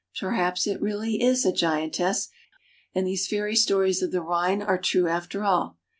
Perhaps it is really a giantess, and these fairy stories of the Rhine are true after all.